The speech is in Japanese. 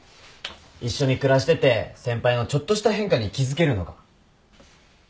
一緒に暮らしてて先輩のちょっとした変化に気付けるのが。